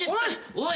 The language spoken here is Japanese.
おい！